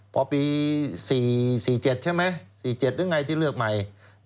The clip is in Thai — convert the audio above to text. พอปี๔๗ใช่ไหม๔๗หรือไงที่เลือกใหม่